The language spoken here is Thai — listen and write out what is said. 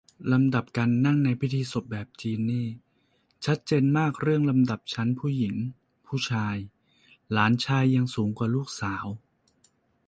ลำดับการนั่งในพิธีศพแบบจีนนี่ชัดเจนมากเรื่องลำดับชั้นผู้หญิงผู้ชาย หลานชายยังสูงกว่าลูกสาว